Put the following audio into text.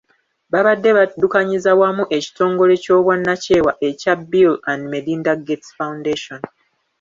Babadde baddukanyiza wamu ekitongole ky'obwannakyewa ekya Bill and Melinda Gates Foundation.